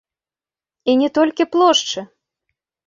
І не толькі плошчы!